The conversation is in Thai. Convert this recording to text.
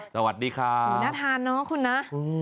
สวัสดีค่ะน่าทานเนอะคุณนะ